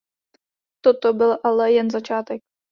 Toto byl ale jen začátek.